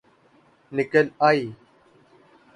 نکل آئ